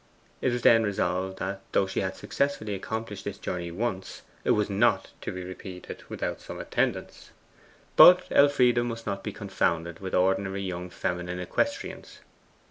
It was then resolved that, though she had successfully accomplished this journey once, it was not to be repeated without some attendance. But Elfride must not be confounded with ordinary young feminine equestrians.